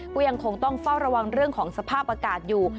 ก็ยังคงต้องเฝ้าระวังเรื่องของสภาพอากาศอยู่